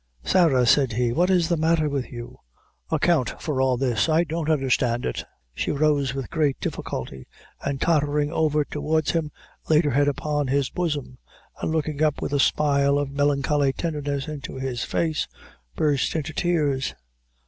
"Sarah," said he, "what is the matter with, you? account for all this I don't understand it." She rose with great difficulty, and, tottering over towards him, laid her head upon his bosom, and looking up with a smile of melancholy tenderness into his face, burst into tears.